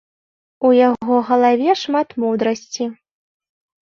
У яго галаве шмат мудрасці.